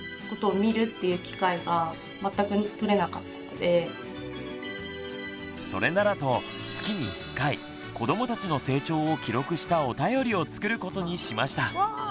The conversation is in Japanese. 手作り⁉それならと月に１回子どもたちの成長を記録したお便りを作ることにしました。